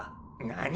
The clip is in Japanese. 何？